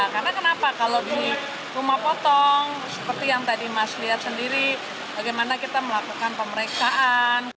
karena kenapa kalau di rumah potong seperti yang tadi mas lihat sendiri bagaimana kita melakukan pemeriksaan